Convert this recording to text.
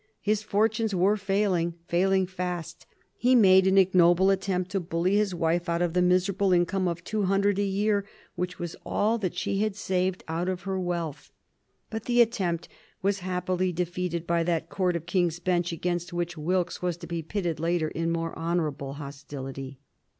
His fortunes were failing, failing fast. He made an ignoble attempt to bully his wife out of the miserable income of two hundred a year which was all that she had saved out of her wealth, but the attempt was happily defeated by that Court of King's Bench against which Wilkes was to be pitted later in more honorable hostility.